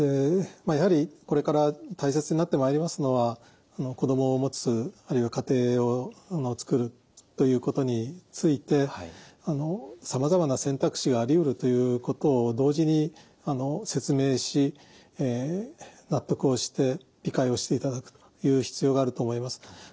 やはりこれから大切になってまいりますのは子どもをもつあるいは家庭を作るということについてさまざまな選択肢がありうるということを同時に説明し納得をして理解をしていただくという必要があると思います。